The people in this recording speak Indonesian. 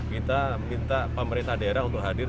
kita minta pemerintah daerah untuk hadir